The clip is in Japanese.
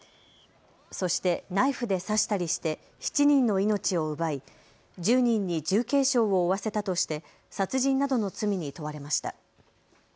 そしてナイフで刺したりして７人の命を奪い１０人に重軽傷を負わせたとして殺人などの罪に問われました。